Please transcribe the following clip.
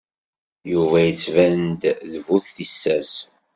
Yuba yettban d bu tissas.